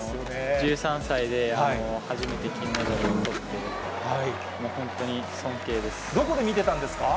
１３歳で初めて金メダルとっどこで見てたんですか。